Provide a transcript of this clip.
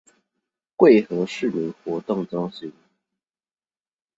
貴和市民活動中心